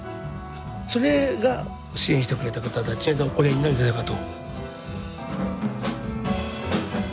それが支援してくれた方たちへのお礼になるんじゃないかと。